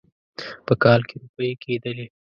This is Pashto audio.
په کال کې روپۍ کېدلې.